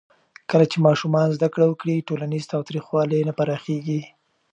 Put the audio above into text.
کله چې ماشومان زده کړه وکړي، ټولنیز تاوتریخوالی نه پراخېږي.